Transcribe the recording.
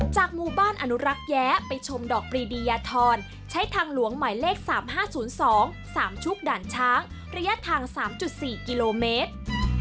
จากหมู่บ้านอนุรักษ์แย้ไปชมดอกปรีดียาทรใช้ทางหลวงหมายเลข๓๕๐๒๓ชุกด่านช้างระยะทาง๓๔กิโลเมตร